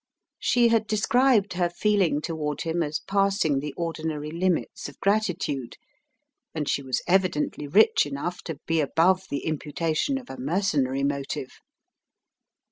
She had described her feeling toward him as passing the ordinary limits of gratitude, and she was evidently rich enough to be above the imputation of a mercenary motive.